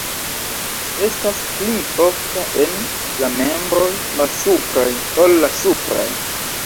Estas pli ofta en la membroj malsupraj ol la supraj.